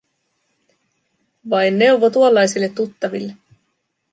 Vain neuvo tuollaisille tuttaville.